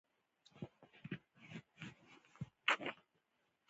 ازادي راډیو د د بیان آزادي وضعیت انځور کړی.